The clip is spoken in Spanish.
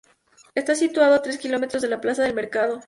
Está situado a tres kilómetros de la Plaza del Mercado.